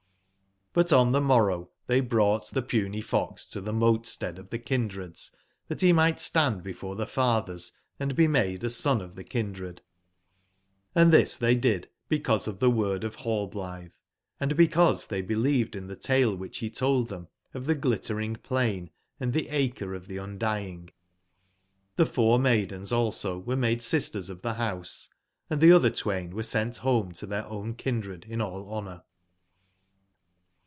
\UXZ on the morrow they brought the Puny fox to the mote/Stead of the hindreds that he might stand before the fathers & be made a son of the kindred; & this they did because of the word of Rallblithe, and because they believed in the tale which he told them of the Clittering plain and theHcreoftheClndyingXhefourmaidens also were made sisters of the House ; and the other twain were sent home to their own kindred in all honour.